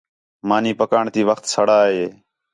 مانی پکاݨ تے وخت سڑا ہے